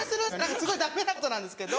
すごいダメなことなんですけど。